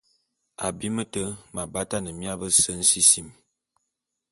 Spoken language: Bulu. Abim té m’abatane mia bese nsisim.